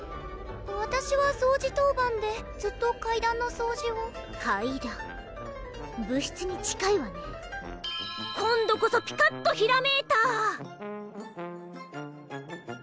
わたしは掃除当番でずっと階段の掃除を階段部室に近いわね今度こそピカッとひらめいたぁ！